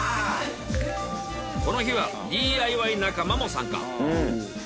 この日はＤＩＹ仲間も参加。